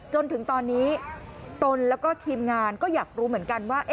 จนถึงตอนนี้ตนแล้วก็ทีมงานก็อยากรู้เหมือนกันว่า